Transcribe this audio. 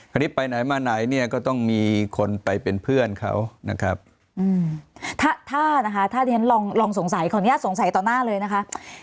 ไปไหนมาไหนเนี่ยก็ต้องมีคนไปเป็นเพื่อนเขานะครับถ้านะคะถ้าที่ฉันลองสงสัยขออนุญาตสงสัยต่อหน้าเลยนะคะ